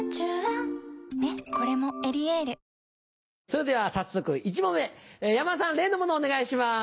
それでは早速１問目山田さん例のものお願いします。